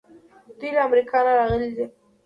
دوی له امریکا نه راغلي دي.